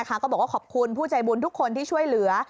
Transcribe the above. ก็บอกว่าขอบคุณผู้ใจบุญทุกคนที่ช่วยเหลือ